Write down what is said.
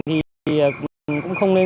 thì cũng không nên